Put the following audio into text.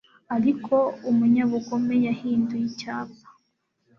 ariko umunyabugome yahinduye icyapa